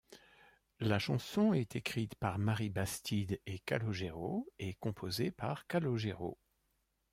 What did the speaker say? La chanson est écrite par Marie Bastide et Calogero et composée par Calogero.